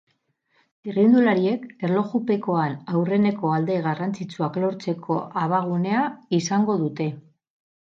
Txirrindulariek erlojupekoan aurreneko alde garrantzitsuak lortzeko abagunea izango dute.